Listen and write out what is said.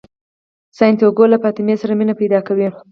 سانتیاګو له فاطمې سره مینه پیدا کوي.